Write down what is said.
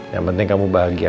yang penting kamu bahagia